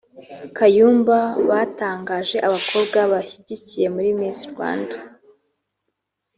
Kayumba batangaje abakobwa bashyigikiye muri Miss Rwanda